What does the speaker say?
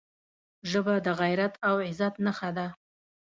ژبه د غیرت او عزت نښه ده